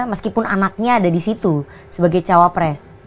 meskipun anaknya ada disitu sebagai cawapres